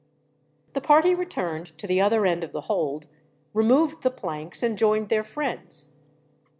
The party returned to the other end of the hold, removed the planks, and joined their friends.